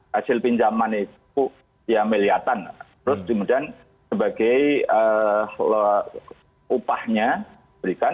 hasil pinjaman itu ya melihatan terus kemudian sebagai upahnya diberikan